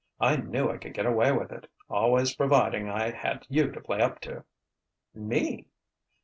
I knew I could get away with it always providing I had you to play up to." "Me!"